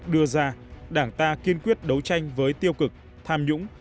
đưa ra đảng ta kiên quyết đấu tranh với tiêu cực tham nhũng